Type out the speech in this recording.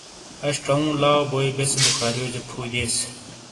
آش ژوُوں لاؤ بوئی بیسے بخاریوجا پھُو دئیس